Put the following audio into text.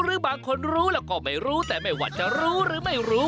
หรือบางคนรู้แล้วก็ไม่รู้แต่ไม่ว่าจะรู้หรือไม่รู้